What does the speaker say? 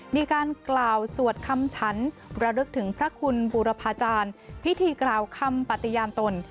มีการกล่าวสวดคำฉันระลึกถึงพระคุณบูรพาจารย์พิธีกล่าวคำปฏิญาณตน